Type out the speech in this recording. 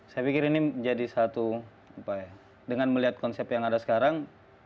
saya pikir ini menjadi satu dengan melihat konsep yang ada sekarang